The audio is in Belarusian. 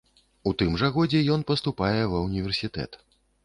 У тым жа годзе ён паступае ва ўніверсітэт.